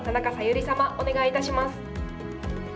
理様お願いいたします。